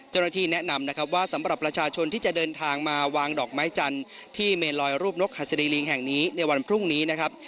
เจ้าหน้าที่แนะนำนะครับว่าสำหรับประชาชนที่จะเดินทางมาวางดอกไม้จันทร์ที่เมลอยรูปนกหัสดีลิงแห่งนี้ในวันพรุ่งนี้นะครับ